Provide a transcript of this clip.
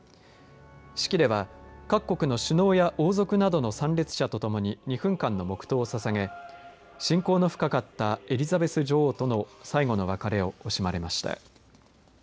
式では各国の首脳や王族など参列者とともに２分間の黙とうを捧げ親交の深かったエリザベス女王との最後の別れを惜しまれました。